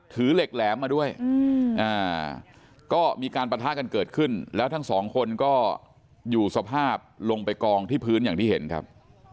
เหล็กแหลมมาด้วยก็มีการปะทะกันเกิดขึ้นแล้วทั้งสองคนก็อยู่สภาพลงไปกองที่พื้นอย่างที่เห็นครับ